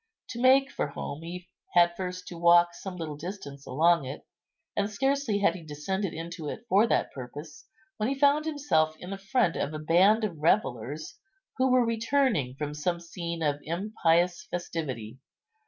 To make for home he had first to walk some little distance along it; and scarcely had he descended into it for that purpose, when he found himself in the front of a band of revellers, who were returning from some scene of impious festivity.